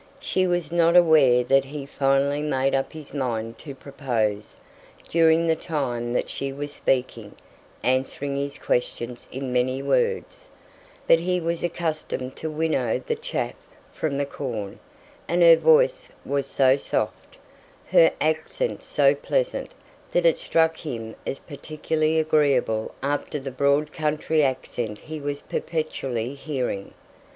She was not aware that he finally made up his mind to propose, during the time that she was speaking answering his questions in many words, but he was accustomed to winnow the chaff from the corn; and her voice was so soft, her accent so pleasant, that it struck him as particularly agreeable after the broad country accent he was perpetually hearing.